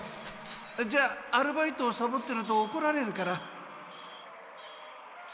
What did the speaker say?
じゃあアルバイトをサボってるとおこられるから。